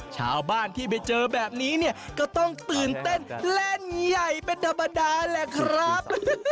ชาวบ้านที่ไปเจอแบบนี้เนี่ยก็ต้องตื่นเต้นเล่นใหญ่เป็นธรรมดาแหละครับ